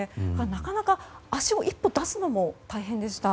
なかなか足を１歩出すのも大変でした。